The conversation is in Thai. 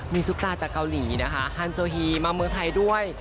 มีซุปตาจากเกาหลีนะคะฮันโซฮีมาเมืองไทยด้วย